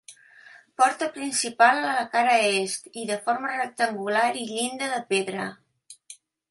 Porta principal a la cara est i de forma rectangular i llinda de pedra.